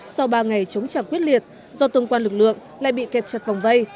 sau ba ngày chống chạm quyết liệt do tương quan lực lượng lại bị kẹp chặt vòng vây